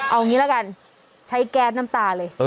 เอางี้ละกันใช้แก๊สน้ำตาเลย